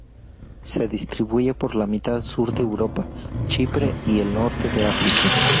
Se distribuye por la mitad sur de Europa, Chipre y el norte de África.